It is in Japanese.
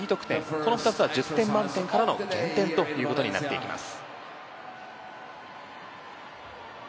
この２つは、１０点満点からの減点ということになります。